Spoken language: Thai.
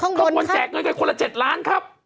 ขบวนแจกเงินกันคนละ๗ล้านครับ